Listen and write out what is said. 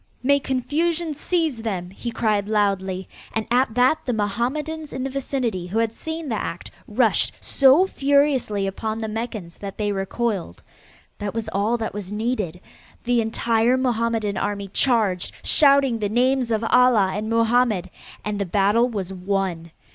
"May confusion seize them," he cried loudly, and at that the Mohammedans in the vicinity who had seen the act, rushed so furiously upon the Meccans that they recoiled. That was all that was needed. The entire Mohammedan army charged, shouting the names of Allah and Mohammed, and the battle was won.